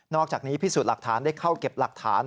อกจากนี้พิสูจน์หลักฐานได้เข้าเก็บหลักฐาน